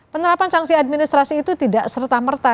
penerapan sanksi administrasi itu tidak serta merta